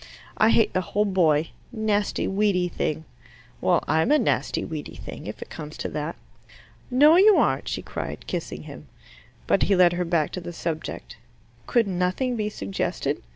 "I hate the whole boy. Nasty weedy thing." "Well, I'm a nasty weedy thing, if it comes to that." "No, you aren't," she cried, kissing him. But he led her back to the subject. Could nothing be suggested?